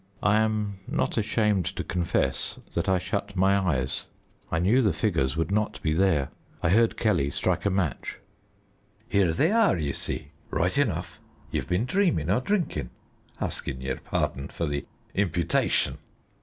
I am not ashamed to confess that I shut my eyes: I knew the figures would not be there. I heard Kelly strike a match. "Here they are, ye see, right enough; ye've been dreaming or drinking, asking yer pardon for the imputation."